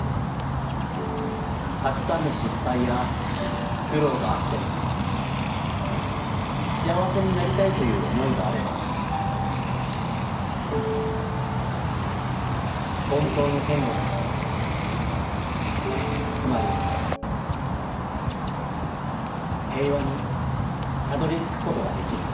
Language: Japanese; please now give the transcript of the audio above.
たくさんの失敗や苦労があっても、しあわせになりたいという思いがあれば、ほんとうの天国、つまり平和にたどり着くことができる』」。